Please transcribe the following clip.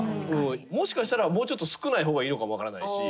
もしかしたらもうちょっと少ない方がいいのかも分からないし。